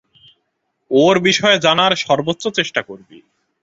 ওর বিষয়ে জানার সর্বোচ্চ চেষ্টা করবি।